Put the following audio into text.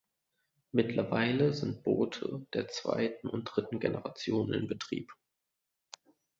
Mittlerweile sind Boote der zweiten und dritten Generation in Betrieb.